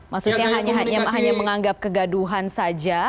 maksudnya hanya menganggap kegaduhan saja